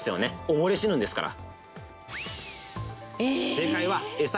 溺れ死ぬんですから」